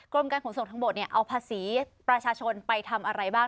กรมการขนส่งทางบกเอาภาษีประชาชนไปทำอะไรบ้าง